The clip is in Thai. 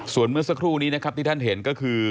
ส่วนเมื่อสักครู่นี้นะครับที่ท่านเห็นก็คือ